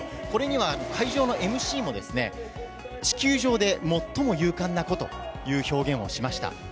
これには、会場のＭＣも、地球上で最も勇敢なこという表現をしました。